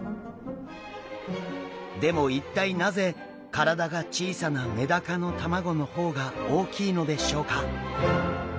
でも一体なぜ体が小さなメダカの卵の方が大きいのでしょうか？